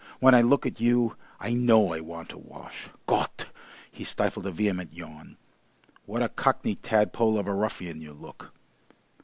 When I look at you, I KNOW I want a wash. Gott!" he stifled a vehement yawn "What a Cockney tadpole of a ruffian you look!"